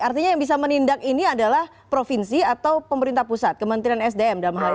artinya yang bisa menindak ini adalah provinsi atau pemerintah pusat kementerian sdm dalam hal ini